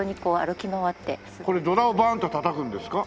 これ銅鑼をバーンってたたくんですか？